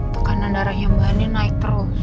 tekanan darahnya mbak andien naik terus